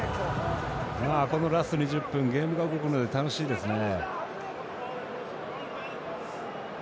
このラスト２０分ゲームが動くので楽しいですね。